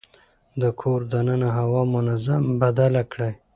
د کور دننه هوا منظم بدله کړئ.